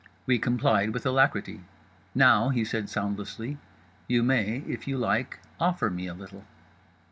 We complied with alacrity. Now (he said soundlessly), you may if you like offer me a little.